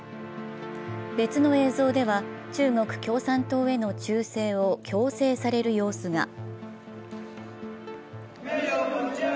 別の映像では、中国共産党への忠誠を強制される様子が。